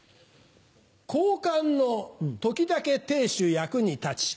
交換の時だけ亭主役に立ち。